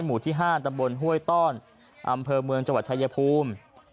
หมู่ที่๕ตำบลห้วยต้อนอำเภอเมืองจังหวัดชายภูมิ